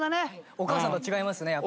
お母さんと違いますねやっぱ。